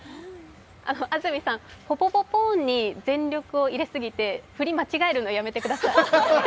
安住さん、ぽぽぽぽんに全力を入れすぎて振り間違えるのやめてください。